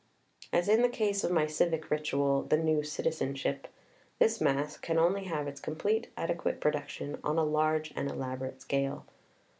As in the case of my Civic Ritual "The New Citizen ship" 1 this Masque can only have its completely ade quate production on a large and elaborate scale.